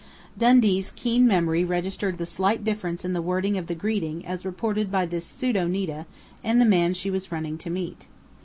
Dundee's keen memory registered the slight difference in the wording of the greeting as reported by this pseudo Nita and the man she was running to meet.